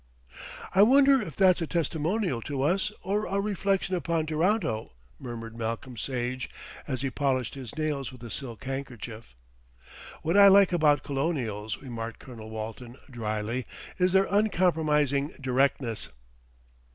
"I wonder if that's a testimonial to us, or a reflection upon Toronto," murmured Malcolm Sage, as he polished his nails with a silk handkerchief. "What I like about colonials," remarked Colonel Walton drily, "is their uncompromising directness."